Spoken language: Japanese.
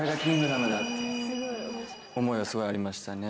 思いはすごいありましたね。